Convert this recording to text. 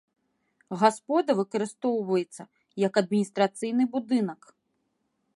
Гаспода выкарыстоўваецца як адміністрацыйны будынак.